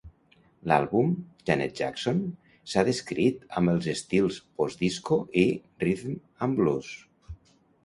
L'àlbum "Janet Jackson" s'ha descrit amb els estils postdisco i "rythm-and-blues".